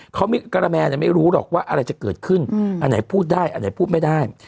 เขากระแมนไม่รู้หรอกว่าอะไรจะเกิดขึ้นอันไหนพูดได้อันไหนพูดไม่ได้